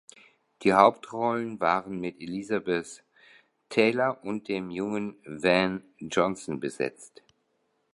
Die Hauptrollen waren mit Elizabeth Taylor und dem jungen Van Johnson besetzt.